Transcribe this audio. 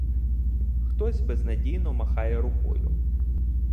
Хтось безнадійно махає рукою.